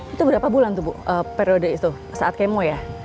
itu berapa bulan tuh bu periode itu saat kemo ya